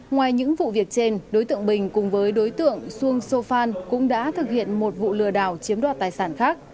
ngoài những vụ việc trên đối tượng bình cùng với đối tượng xuân sô phan cũng đã thực hiện một vụ lừa đảo chiếm đoạt tài sản khác